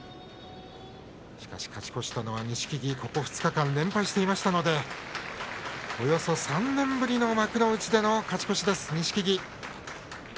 しかし勝ち越したのは錦木をここ２日間連敗していましたのでおよそ３年ぶりの幕内での勝ち越しです、錦木。